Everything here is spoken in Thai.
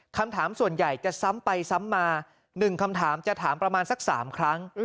คำถามส่วนใหญ่จะซ้ำไปซ้ำมา๑คำถามจะถามประมาณสัก๓ครั้ง